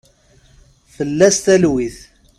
Fell-as talwit.